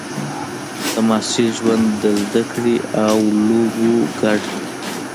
د محصل ژوند د زده کړې او لوبو ګډ دی.